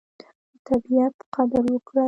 د طبیعت قدر وکړئ.